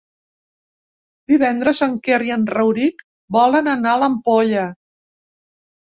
Divendres en Quer i en Rauric volen anar a l'Ampolla.